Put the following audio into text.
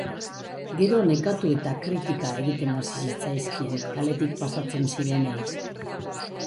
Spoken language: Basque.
Gero nekatu eta kritika egiten hasi zitzaizkien kaletik pasatzen zirenei.